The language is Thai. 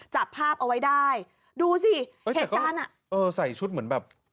จับภาพเอาไว้ได้ดูสิเหตุการณ์อ่ะเออใส่ชุดเหมือนแบบ